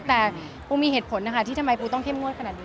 แต่ปูมีเหตุผลนะคะที่ทำไมปูต้องเข้มงวดขนาดนี้